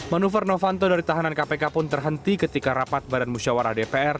manuver novanto dari tahanan kpk pun terhenti ketika rapat badan musyawarah dpr